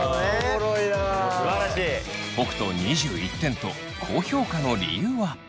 北斗２１点と高評価の理由は？